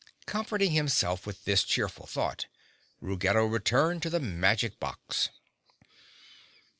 Comforting himself with this cheerful thought, Ruggedo returned to the magic box.